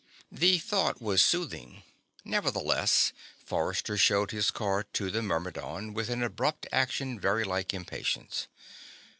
The thought was soothing. Nevertheless, Forrester showed his card to the Myrmidon with an abrupt action very like impatience.